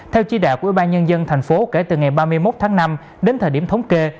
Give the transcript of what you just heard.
theo chỉ đạo của ủy ban nhân dân thành phố kể từ ngày ba mươi một tháng năm đến thời điểm thống kê